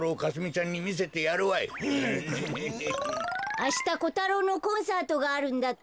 ・あしたコタロウのコンサートがあるんだって。